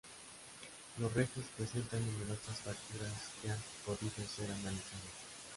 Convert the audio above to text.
Los restos presentan numerosas fracturas que han podido ser analizadas.